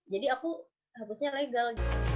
jadi aku hapusnya legal